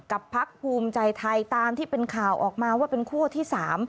พักภูมิใจไทยตามที่เป็นข่าวออกมาว่าเป็นคั่วที่๓